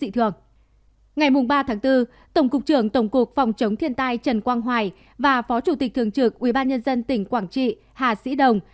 tổng cục trưởng tổng cục phòng chống thiên tai trần quang hoài và phó chủ tịch thường trực ubnd tỉnh quảng trị hà sĩ đồng